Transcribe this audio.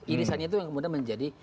irisannya itu yang kemudian menjadi